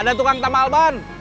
ada tukang tamal ban